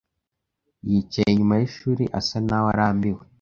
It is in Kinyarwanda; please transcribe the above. yicaye inyuma y'ishuri, asa naho arambiwe.